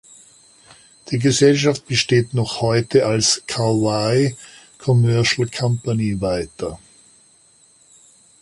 Die Gesellschaft besteht noch heute als "Kauai Commercial Company" weiter.